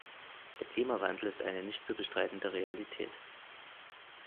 Der Klimawandel ist eine nicht zu bestreitende Realität.